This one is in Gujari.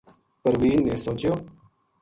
پروین نے سوچیو